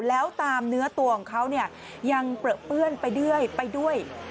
แล้วตามเนื้อตัวของเขาเนี่ยยังเปลื้อเปื้อนไปด้วย